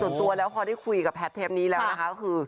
ส่วนตัวแล้วพอได้คุยกับแพทย์เทปนี้แล้วนะคะก็คือ